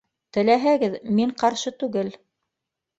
Теләһәгеҙ, мин ҡаршы түгел